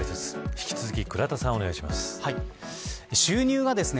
引き続き倉田さんお願いします。